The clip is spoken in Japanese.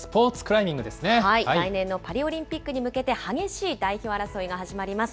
来年のパリオリンピックに向けて、激しい代表争いが始まります。